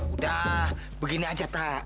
udah begini aja tak